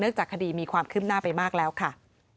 เนื่องจากคดีมีความคลิบหน้าไปมากแล้วค่ะ